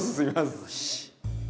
よし！